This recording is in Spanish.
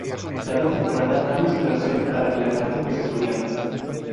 Cada temporada cambia su versión para que la canten los estudiantes.